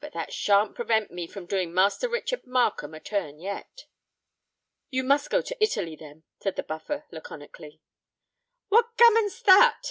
But that shan't prevent me from doing Master Richard Markham a turn yet." "You must go to Italy, then," said the Buffer laconically. "What gammon's that?"